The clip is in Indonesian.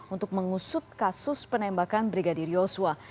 untuk mengusut kasus penembakan brigadir yosua